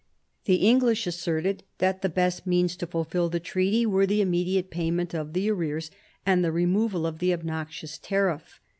The English asserted that the best means to fulfil the treaty were the immediate payment of the arrears and the removal of the obnoxious tariff.